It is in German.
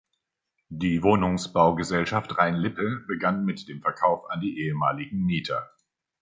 Die "Wohnungsbaugesellschaft Rhein-Lippe" begann mit dem Verkauf an die ehemaligen Mieter.